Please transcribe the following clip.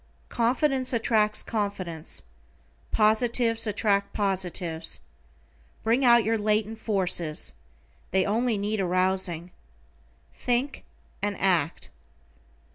Confidence attracts confidence. Positives attract positives. Bring out your latent forces, they only need arousing. THINK AND ACT.